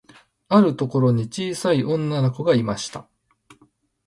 あるところに、ちいさい女の子がいました。